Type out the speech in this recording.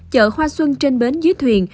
chợ hoa xuân trên bến dưới thuyền